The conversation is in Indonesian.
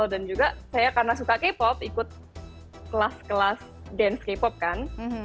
dan juga saya karena suka k pop ikut kelas kelas dance k pop kan